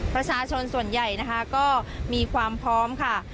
ประชาชนส่วนใหญ่นะคะก็มีความพร้อมค่ะ